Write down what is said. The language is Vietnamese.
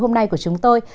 hôm nay của chúng tôi